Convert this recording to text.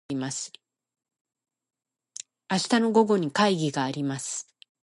明日の午後に会議があります。